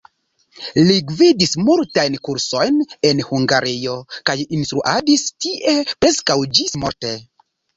Li gvidis multajn kursojn en Hungario, kaj instruadis tie preskaŭ ĝis-morte.